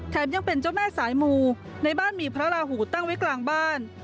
ยังเป็นเจ้าแม่สายมูในบ้านมีพระราหูตั้งไว้กลางบ้าน